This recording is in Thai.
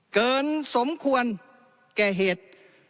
เกินสมควรแก่เหตุ